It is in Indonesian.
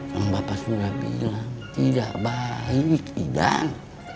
yang bapak sudah bilang tidak baik tidak